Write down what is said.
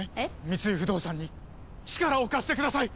三井不動産に力を貸してください！